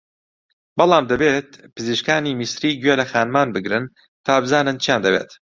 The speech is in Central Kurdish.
بەڵام دەبێت پزیشکانی میسری گوێ لە خانمان بگرن تا بزانن چییان دەوێت